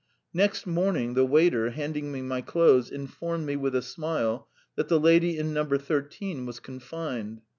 Next morning the waiter, handing me my clothes, informed me, with a smile, that the lady in number thirteen was confined.